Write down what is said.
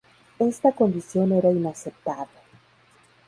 Esta condición era inaceptable.